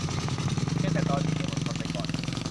เพียงแต่ตอนนี้ให้อดทนไปก่อน